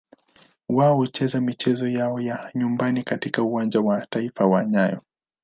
Wao hucheza michezo yao ya nyumbani katika Uwanja wa Taifa wa nyayo.